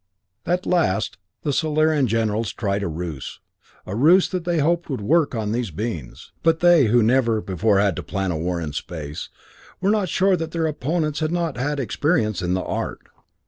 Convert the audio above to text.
At last the Solarian generals tried a ruse, a ruse they hoped would work on these beings; but they who never before had to plan a war in space, were not sure that their opponents had not had experience in the art.